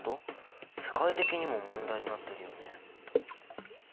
世界的にも問題になってるよね。